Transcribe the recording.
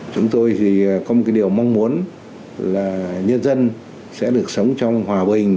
chúng tôi thì có một cái điều mong muốn là nhân dân sẽ được sống trong hòa bình